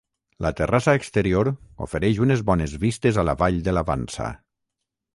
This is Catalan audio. La terrassa exterior ofereix unes bones vistes a la vall de la Vansa.